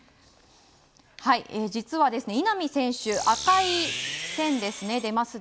実は、稲見選手、赤い線ですね。